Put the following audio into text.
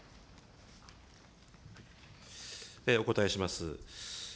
お答えします。